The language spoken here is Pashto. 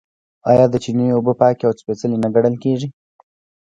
آیا د چینې اوبه پاکې او سپیڅلې نه ګڼل کیږي؟